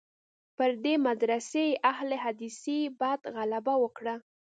پر دې مدرسې اهل حدیثي بعد غلبه وکړه.